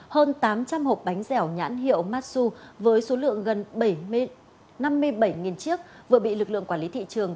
hơn tám trăm linh hộp bánh dẻo nhãn hiệu massu với số lượng gần năm mươi bảy chiếc vừa bị lực lượng quản lý thị trường